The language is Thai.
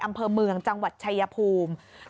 อำเภอเมืองจังหวัดชายภูมิ